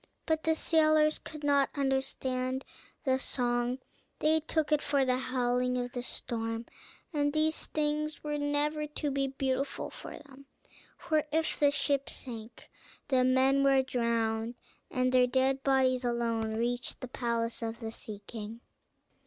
But the sailors could not understand the song, they took it for the howling of the storm. And these things were never to be beautiful for them; for if the ship sank, the men were drowned, and their dead bodies alone reached the palace of the Sea King.